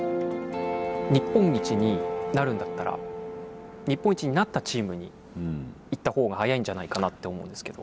日本一になるんだったら日本一になったチームに行った方が早いんじゃないかなって思うんですけど。